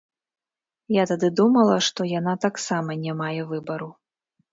Я тады думала, што яна таксама не мае выбару.